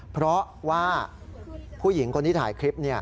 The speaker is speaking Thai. เพราะว่าผู้หญิงคนที่ถ่ายคลิป